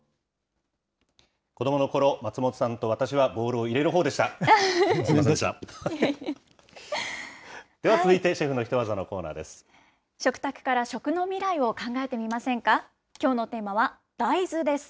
子どものころ、松本さんと私はボールを入れるほうでした。